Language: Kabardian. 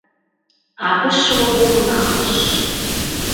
Абы щыгъуэ уэ унэхъыжьщ.